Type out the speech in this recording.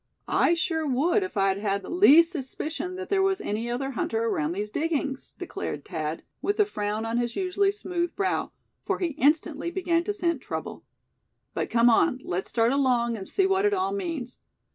"I sure would if I'd had the least suspicion that there was any other hunter around these diggings," declared Thad, with a frown on his usually smooth brow; for he instantly began to scent trouble. "But come on, let's start along, and see what it all means.